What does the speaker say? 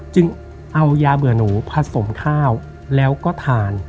จึงเอายาเบื่อหนูผสมข้าวแล้วก็ทาน